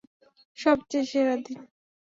সবচেয়ে সেরা দিন।